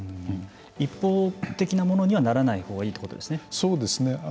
一方的なものにはならないほうがいいそうですね。